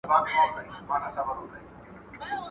د ډېري لرگى، د يوه انډى.